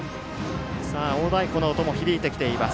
大太鼓の音も響いてきています。